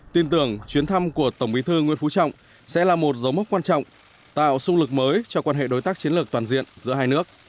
tin tưởng chuyến thăm của tổng bí thư nguyễn phú trọng sẽ là một dấu mốc quan trọng tạo sung lực mới cho quan hệ đối tác chiến lược toàn diện giữa hai nước